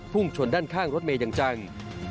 ชนด้านข้างรถเมย์อย่างจัง